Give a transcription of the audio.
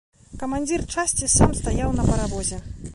Камандзір часці сам стаяў на паравозе.